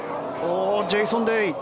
ジェイソン・デイ。